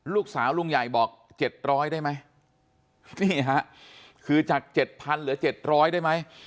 ลูกสาวลุงใหญ่บอกเจ็ดร้อยได้ไหมนี่ฮะคือจากเจ็ดพันเหลือเจ็ดร้อยได้ไหม